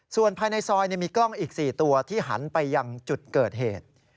ส่วนภายในซอยมีกล้องอีก๔ตัวที่หันไปยังจุดเกิดเหตุ